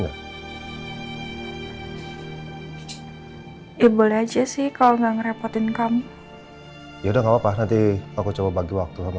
ya boleh aja sih kalau nggak ngerepotin kamu ya udah nggak papa nanti aku coba bagi waktu sama